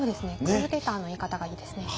クーデターの言い方がいいですね。